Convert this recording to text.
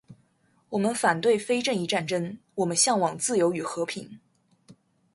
我们反对非正义战争，我们向往自由与和平